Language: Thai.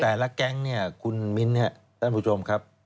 แต่ละแก๊งเนี่ยคุณมิ้นเนี่ยท่านผู้ชมครับ